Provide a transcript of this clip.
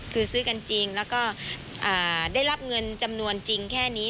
คือซื้อกันจริงแล้วก็ได้รับเงินจำนวนจริงแค่นี้